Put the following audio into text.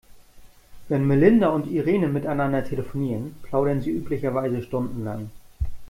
Wenn Melinda und Irene miteinander telefonieren, plaudern sie üblicherweise stundenlang.